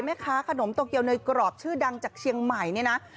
แม่ค้าขนมโตเกียวเนยกรอบชื่อดังจากเชียงใหม่เนี่ยนะ